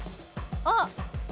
あっ！